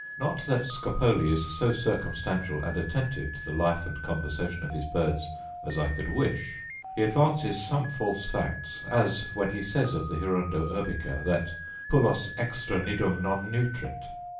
Not that Scopoli is so circumstantial and attentive to the life and conversation of his birds as I could wish: he advances some false facts; as when he says of the hirundo urbica that 'pullos extra nidum non nutrit.